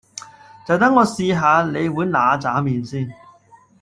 就等我試吓你碗嗱喳麵先